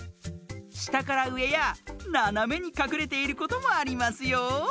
したからうえやななめにかくれていることもありますよ。